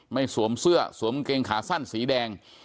ไม่สวมเสื้อสวมเกงขาสั้นสีแดง